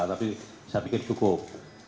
tapi saya pikir cukup